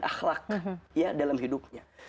akhlak ya dalam hidupnya